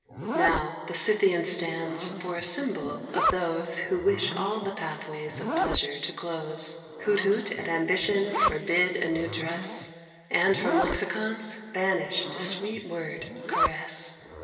Now, the Scythian stands for a symbol of those Who wish all the pathways of pleasure to close; Who'd hoot at ambition, forbid a new dress, And from lexicons banish the sweet word, caress.